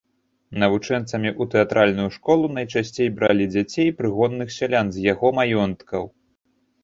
Навучэнцамі ў тэатральную школу найчасцей бралі дзяцей прыгонных сялян з яго маёнткаў.